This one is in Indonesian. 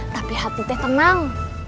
tapi hati teh tenang